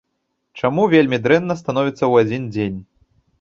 Чаму вельмі дрэнна становіцца ў адзін дзень?